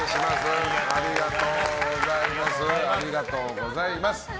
ありがとうございます。